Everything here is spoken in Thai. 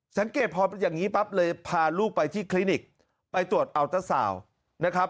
สังเกตพอเป็นอย่างนี้ปั๊บเลยพาลูกไปที่คลินิกไปตรวจอัลเตอร์สาวนะครับ